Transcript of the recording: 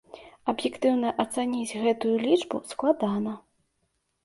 Аб'ектыўна ацаніць гэтую лічбу складана.